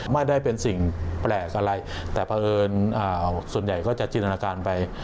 ไม่ได้เป็นสิ่งแปลกอะไรแต่เพราะเอิญส่วนใหญ่ก็จะจินตนาการไป